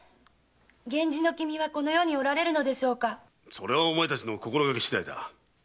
それはお前達の心がけ次第だ。